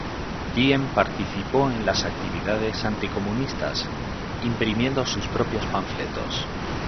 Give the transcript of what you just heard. Diem participó en las actividades anti-comunistas, imprimiendo sus propios panfletos.